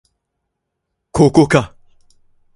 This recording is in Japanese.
ここか